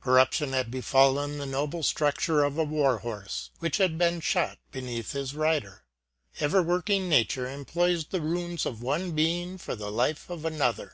Cormption had befallen the noble structure of a war horse which had been shot beneath his rider. Ever working Nature employs the ruins of one being for the life of another.